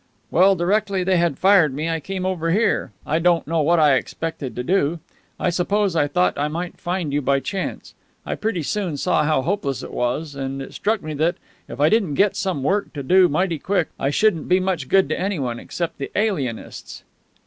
"Well, directly they had fired me, I came over here. I don't know what I expected to do. I suppose I thought I might find you by chance. I pretty soon saw how hopeless it was, and it struck me that, if I didn't get some work to do mighty quick, I shouldn't be much good to anyone except the alienists."